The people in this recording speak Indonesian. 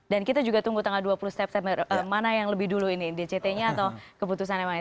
dan kita juga tunggu tanggal dua puluh mana yang lebih dulu ini dct nya atau keputusan yang mana